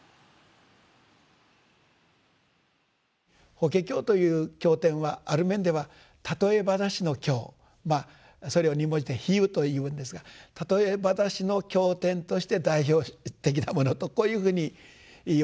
「法華経」という経典はある面では譬え話の経それを２文字で「比喩」というんですが譬え話の経典として代表的なものとこういうふうにいわれるわけで。